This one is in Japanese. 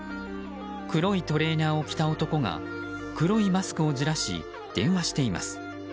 黒いトレーナーを着た男が黒いマスクをずらし電話しています。